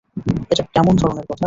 এটা কেমন ধরণের কথা?